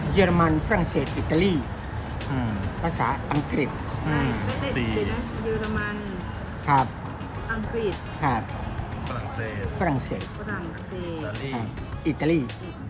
เยอรมันฟรั่งเศษอิตาลีภาษาอังกฤษอังกฤษฝรั่งเศษฝรั่งเศษอิตาลี